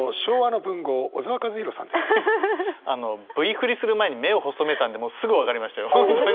あのＶフリする前に目を細めたんでもうすぐ分かりましたよ。